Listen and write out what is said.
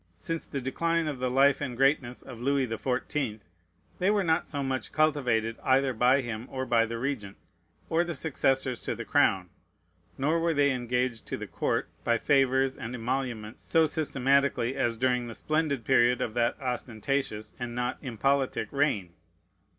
Since the decline of the life and greatness of Louis the Fourteenth, they were not so much cultivated either by him, or by the Regent, or the successors to the crown; nor were they engaged to the court by favors and emoluments so systematically as during the splendid period of that ostentatious and not impolitic reign.